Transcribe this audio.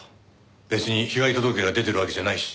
別に被害届が出てるわけじゃないし。